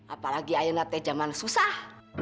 apalagi ayunan teh zaman susah